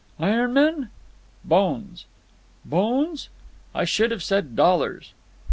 "Iron men?" "Bones." "Bones?" "I should have said dollars."